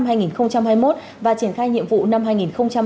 và triển khai nhiệm vụ năm hai nghìn hai mươi hai